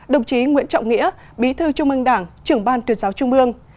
đồng chí nguyễn trọng nghĩa bí thư trung ương đảng trưởng ban tuyên giáo trung ương